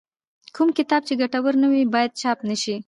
کوم کتاب چې ګټور نه وي باید چاپ نه شي.